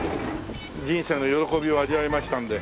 人生の喜びを味わえましたんで。